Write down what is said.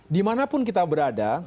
dimanapun kita berada